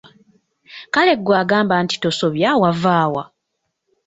Kale ggwe agamba nti tosobya wava wa?